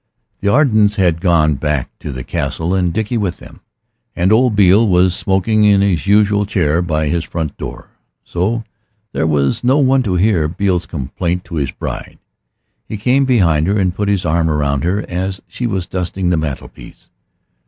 The Ardens had gone back to the Castle, and Dickie with them, and old Beale was smoking in his usual chair by his front door so there was no one to hear Beale's compliment to his bride. He came behind her and put his arm round her as she was dusting the mantelpiece.